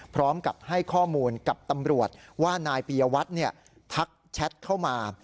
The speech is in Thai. พร้อมกับให้ข้อมูลกับตำรวจว่านายปียวัตรทักแชทเข้ามา